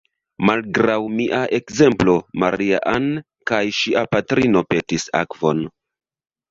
Malgraŭ mia ekzemplo, Maria-Ann kaj ŝia patrino petis akvon.